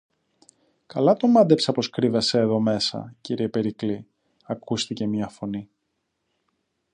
Καλά το μάντεψα πως κρύβεσαι εδώ μέσα, κύριε Περικλή, ακούστηκε μια φωνή.